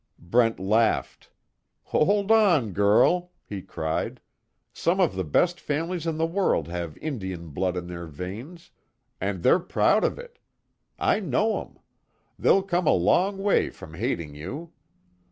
Brent laughed: "Hold on girl!" he cried, "Some of the best families in the world have Indian blood in their veins and they're proud of it! I know 'em! They'll come a long way from hating you.